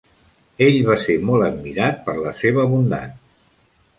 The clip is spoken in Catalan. Ell va ser molt admirat per la seva bondat.